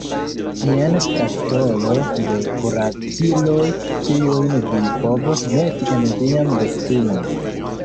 Jen skatolo de kuraciloj kiujn vi povos meti en vian rektumon.